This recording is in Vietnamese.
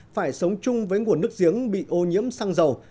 phải sống chung với nguồn nước giếng bị ô nhiễm xăng dầu